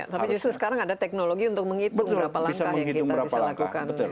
tapi justru sekarang ada teknologi untuk menghitung berapa langkah yang kita bisa lakukan